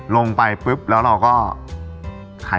ลงไปปุ๊บแล้วเราก็ขาย